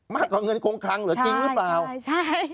มากกว่าเงินคงคลังเหรอจริงหรือเปล่าใช่ใช่